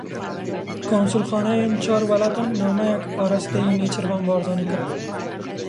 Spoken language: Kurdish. Konsulxaneyên çar welatan nameyek arasteyî Nêçîrvan Barzanî kirin.